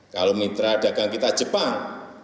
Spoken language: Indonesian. kalau mitra dagang kita jepang